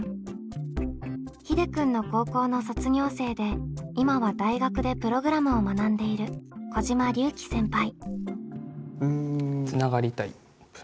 ひでくんの高校の卒業生で今は大学でプログラムを学んでいる小嶋龍輝先輩。